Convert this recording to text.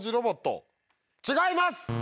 違います！